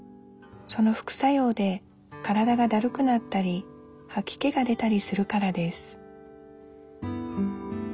その副作用で体がだるくなったりはき気が出たりするからです